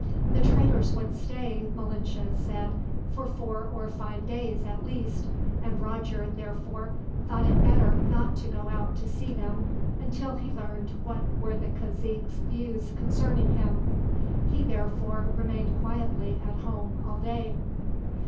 The traders would stay, Malinche said, for four or five days, at least; and Roger, therefore, thought it better not to go out to see them, until he learned what were the cazique's views concerning him. He therefore remained quietly at home, all day.